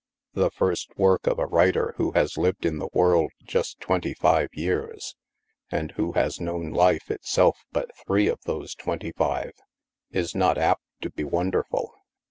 The first work of a writer who has lived in the world just twenty five years, and who has known life, itself, but three of those twenty five, is not apt to be wonderful.